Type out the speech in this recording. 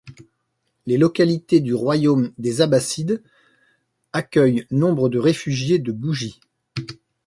Les localités du royaume des Abbasides accueillent nombre de réfugiés de Bougie.